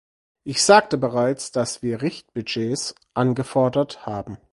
Ich sagte bereits, dass wir Richtbudgets angefordert haben.